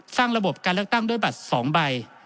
ระบบการเลือกตั้งด้วยบัตร๒ใบ